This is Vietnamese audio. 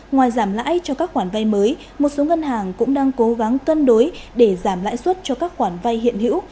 ngoài giảm lãi cho các khoản vay mới một số ngân hàng cũng đang cố gắng cân đối để giảm lãi suất cho các khoản vay hiện hữu